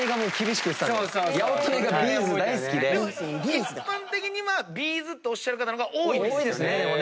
一般的には「ビーズ」とおっしゃる方の方が多いです。